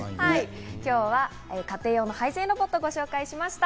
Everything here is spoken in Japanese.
今日は家庭用の配膳ロボットをご紹介しました。